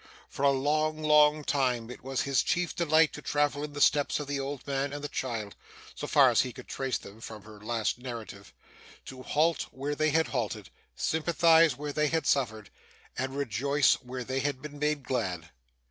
For a long, long time, it was his chief delight to travel in the steps of the old man and the child (so far as he could trace them from her last narrative), to halt where they had halted, sympathise where they had suffered, and rejoice where they had been made glad.